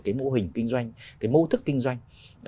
cái mô hình kinh doanh cái mô thức kinh doanh